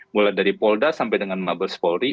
mulai dari polda sampai dengan mabes polri